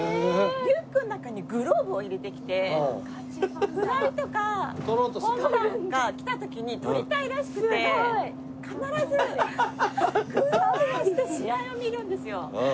リュックの中にグローブを入れてきてフライとかホームランとか来た時に捕りたいらしくて必ずグローブをして試合を見るんですよ。